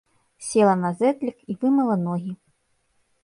Села на зэдлік і вымыла ногі.